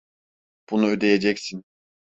Bunu ödeyeceksin!